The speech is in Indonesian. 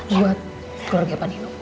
buat keluarga panino